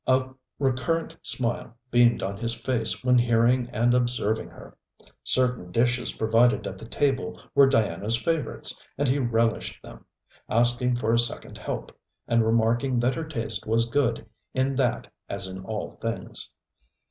A recurrent smile beamed on his face when hearing and observing her. Certain dishes provided at the table were Diana's favourites, and he relished them, asking for a second help, and remarking that her taste was good in that as in all things.